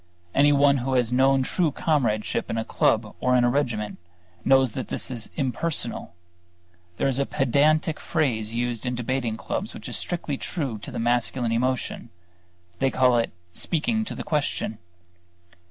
Anyone who has known true comradeship in a club or in a regiment, knows that it is impersonal. There is a pedantic phrase used in debating clubs which is strictly true to the masculine emotion; they call it "speaking to the question."